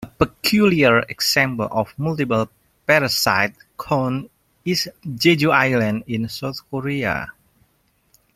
A peculiar example of multiple parasitic cones is Jeju Island in South Korea.